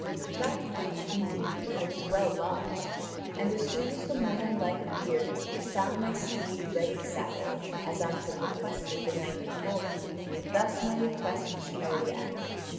(Vv. 269 580.) "That night, indeed, I was well lodged, and as soon as the morning light appeared, I found my steed ready saddled, as I had requested the night before; thus my request was carried out.